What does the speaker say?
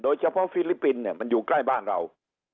ฟิลิปปินส์เนี่ยมันอยู่ใกล้บ้านเรา